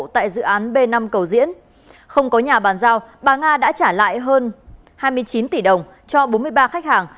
tại dự án b năm cầu diễn không có nhà bàn giao bà nga đã trả lại hơn hai mươi chín tỷ đồng cho bốn mươi ba khách hàng